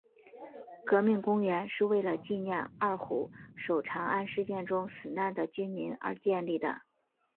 革命公园是为了纪念二虎守长安事件中死难的军民而建立的。